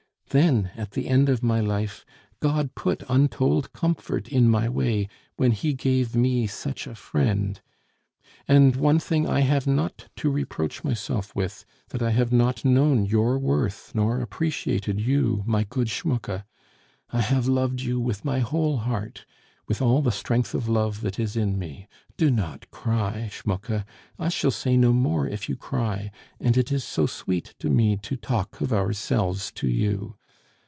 Then at the end of my life, God put untold comfort in my way, when He gave me such a friend.... And one thing I have not to reproach myself with that I have not known your worth nor appreciated you, my good Schmucke.... I have loved you with my whole heart, with all the strength of love that is in me.... Do not cry, Schmucke; I shall say no more if you cry and it is so sweet to me to talk of ourselves to you....